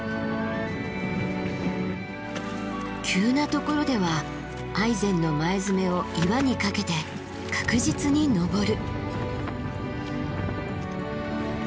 急なところではアイゼンの前爪を岩にかけて確実に登る。